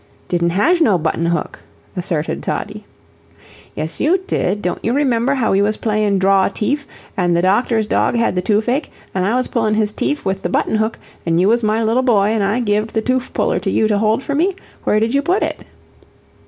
"Didn't hazh no button hook," asserted Toddie. "Yes, you did; don't you remember how we was a playin' draw teef, an' the doctor's dog had the toofache, and I was pullin' his teef with the button hook, an' you was my little boy, an' I gived the toof puller to you to hold for me? Where did you put it?"